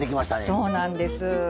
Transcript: そうなんです。